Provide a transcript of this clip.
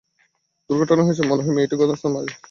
দুর্ঘটনা হয়েছে, মনে হয় মেয়েটি ঘটনাস্থলেই মারা গেছে।